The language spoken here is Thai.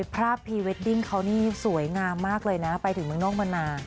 ภาพพรีเวดดิ้งเขานี่สวยงามมากเลยนะไปถึงเมืองนอกมานาน